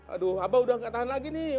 aduh abah udah gak tahan lagi nih